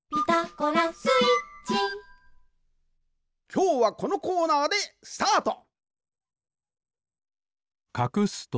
きょうはこのコーナーでスタート！